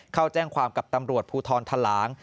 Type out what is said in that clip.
เข้าแจ้งความกับตำรวจภูทรทะลาง